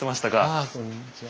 ああこんにちは。